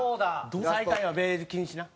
最下位はベージュ禁止な。